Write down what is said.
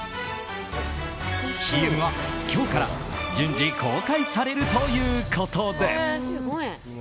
ＣＭは今日から順次公開されるということです。